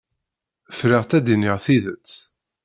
Friɣ-tt ad d-iniɣ tidet.